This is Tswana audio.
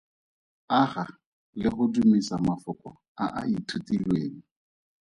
Aga le go dumisa mafoko a a ithutilweng.